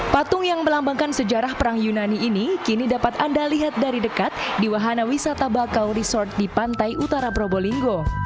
patung yang melambangkan sejarah perang yunani ini kini dapat anda lihat dari dekat di wahana wisata bakau resort di pantai utara probolinggo